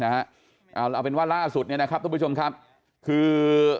ดูกันไปกันแล้วกันนะเอาเป็นว่าล่าสุดนะครับทุกผู้ชมครับคือ